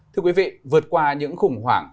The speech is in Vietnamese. thưa quý vị vượt qua những khủng hoảng